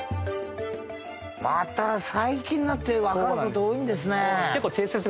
また最近になってわかる事多いんですね。